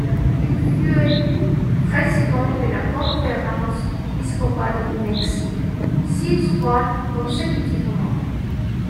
Il fut élu président de la Conférence épiscopale du Mexique six fois consécutivement.